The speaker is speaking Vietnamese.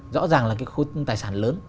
rõ ràng là cái khối tài sản lớn